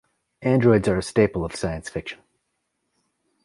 Androids are a staple of science fiction.